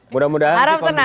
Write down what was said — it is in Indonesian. mudah mudahan sih kondusif